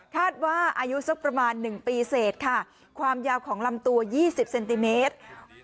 คาดว่าอายุสักประมาณหนึ่งปีเศษค่ะความยาวของลำตัวยี่สิบเซนติเมตร